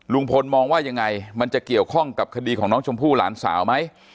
ลุงพลมองว่ายังไงมันจะเกี่ยวข้องกับคดีของน้องชมพู่หลานสาวไหม